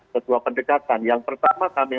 ketua pendekatan yang pertama kami